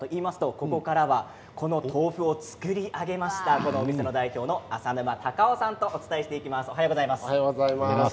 ここからはこの豆腐を作り上げましたお店の代表の浅沼宇雄さんとお伝えしていきます。